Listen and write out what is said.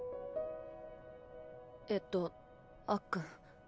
えっとあっくん